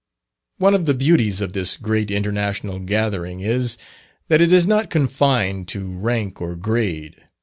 One of the beauties of this great international gathering is, that it is not confined to rank or grade.